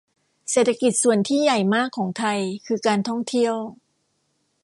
เศรษฐกิจส่วนที่ใหญ่มากของไทย คือการท่องเที่ยว